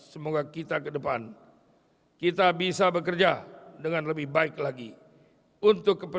semoga kita genggam